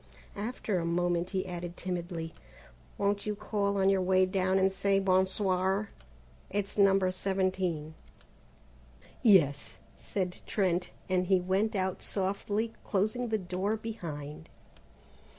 After a moment he added timidly: "Won't you call on your way down and say bon soir? It's No. 17." "Yes," said Trent, and he went out softly closing the door behind.